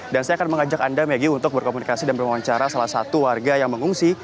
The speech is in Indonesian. dan saya akan mengajak anda megi untuk berkomunikasi dan berwawancara salah satu warga yang mengungsi